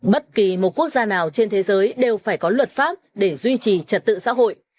bất kỳ một quốc gia nào trên thế giới đều phải có luật pháp để duy trì trật tự xã hội